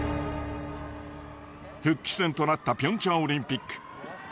復帰戦となったピョンチャンオリンピック。